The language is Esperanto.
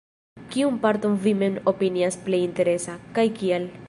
Kiun parton vi mem opinias plej interesa, kaj kial?